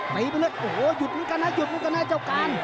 ตีไปเลยโอ้โหหยุดมันกันนะหยุดมันกันนะเจ้าการ